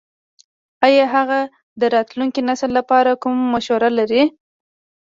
ایا هغه د راتلونکي نسل لپاره کومه مشوره لري ?